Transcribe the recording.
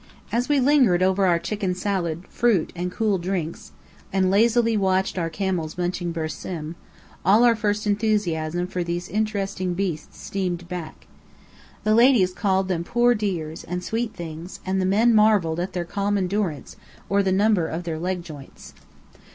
As we lingered over our chicken salad, fruit, and cool drinks, and lazily watched our camels munching bersím, all our first enthusiasm for these interesting beasts streamed back. The ladies called them poor dears, and sweet things; and the men marvelled at their calm endurance, or the number of their leg joints.